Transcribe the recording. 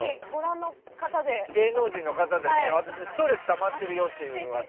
芸能人の方で私、ストレスがたまってるよという方。